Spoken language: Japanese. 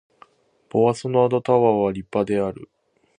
ボワソナードタワーは立派である